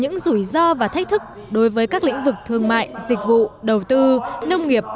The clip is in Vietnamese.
đi cùng theo đó là những rủi ro và thách thức đối với các lĩnh vực thương mại dịch vụ đầu tư nông nghiệp